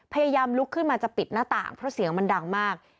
พยายามลุกขึ้นมาจะปิดหน้าต่างเพราะเสียงมันดังมาก